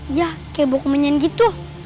iya kayak buku kemenyan gitu